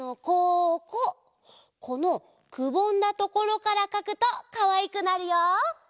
このくぼんだところからかくとかわいくなるよ。